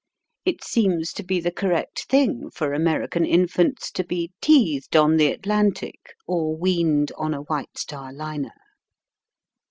It seems to be the correct thing for American infants to be teethed on the Atlantic or weaned on a White Star Liner.